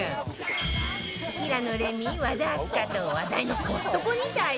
平野レミ和田明日香と話題のコストコに大潜入